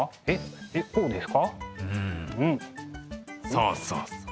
そうそうそう。